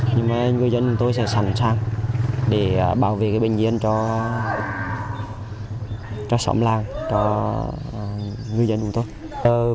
nhưng người dân của chúng tôi sẽ sẵn sàng để bảo vệ bệnh viện cho xóm làng cho người dân của chúng tôi